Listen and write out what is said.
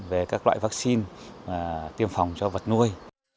về các loại vaccine tiêm phòng cho vật nuôi